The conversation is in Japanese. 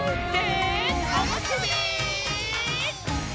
おむすび！